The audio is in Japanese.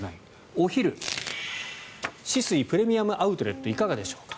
お昼、酒々井プレミアム・アウトレットいかがでしょうか。